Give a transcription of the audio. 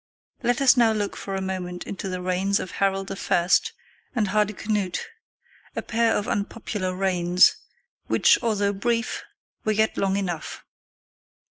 Let us now look for a moment into the reigns of Harold I. and Hardicanute, a pair of unpopular reigns, which, although brief, were yet long enough.